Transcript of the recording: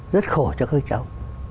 rất khổ cho các cháu